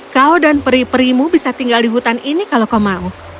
kau dan peri perimu bisa tinggal di hutan ini kalau kau mau